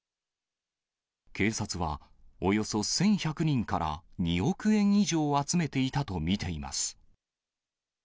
警察は、およそ１１００人から２億円以上集めていたと見ています。